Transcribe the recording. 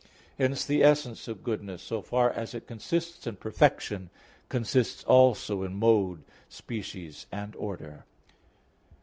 Hence the essence of goodness, so far as it consists in perfection, consists also in mode, species and order.